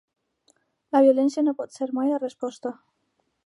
La violència no pot ser mai la resposta!